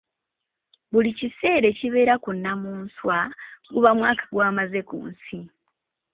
Buli kiseera ekibeera ku Nnamunswa guba mwaka gwamaze kunsi.